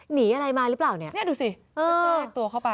หนีอะไรมาหรือเปล่าเนี่ยดูสิแทรกตัวเข้าไป